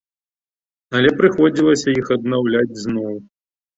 Але прыходзілася іх аднаўляць зноў.